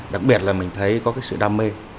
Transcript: đặc biệt là mình thấy có sự đam mê